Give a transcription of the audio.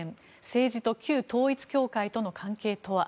政治と旧統一教会との関係とは。